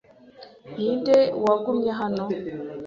Ninde wagutumye hano?